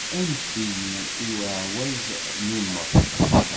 Anef-iyi, i ɛawaz nnumeɣ.